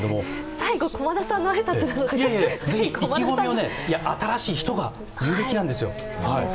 最後、駒田さんの挨拶なので意気込みは新しい人が言うべきなんですよ。